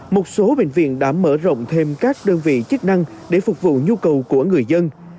một số bệnh viện đã mở rộng thêm các đơn vị chức năng để phục vụ nhu cầu của người dân